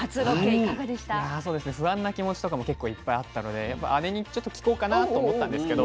いやそうですね不安な気持ちとかも結構いっぱいあったので姉にちょっと聞こうかなと思ったんですけど